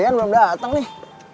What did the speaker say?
deyan belum dateng nih